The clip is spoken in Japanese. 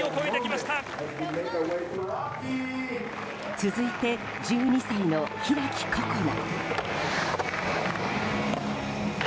続いて、１２歳の開心那。